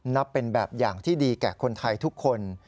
นับเป็นแบบอย่างที่ดีแก่คนไทยทุกคน